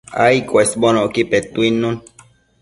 ai cuesbonocqui petuidnun